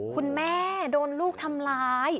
คุณแม่โดนลูกทำร้าย